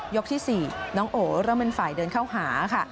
ที่๔น้องโอเริ่มเป็นฝ่ายเดินเข้าหาค่ะ